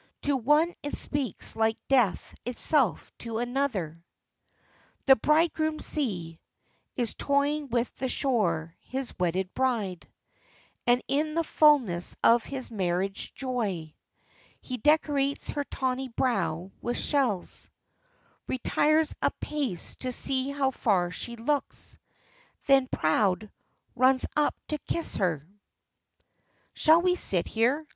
To one it speaks like death itself to another: "The bridegroom sea Is toying with the shore, his wedded bride, And in the fullness of his marriage joy He decorates her tawny brow with shells, Retires a pace to see how fair she looks, Then, proud, runs up to kiss her." "Shall we sit here?"